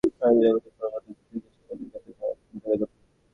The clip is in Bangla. খালিদের মনে পড়ে বদর যুদ্ধের কিছুদিন পূর্বে ঘটে যাওয়া একটি ঘটনার কথা।